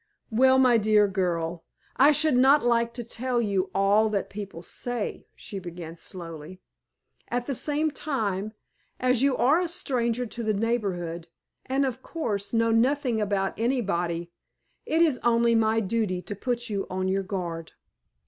"Well, my dear girl, I should not like to tell you all that people say," she began, slowly. "At the same time, as you are a stranger to the neighborhood, and, of course, know nothing about anybody, it is only my duty to put you on your guard.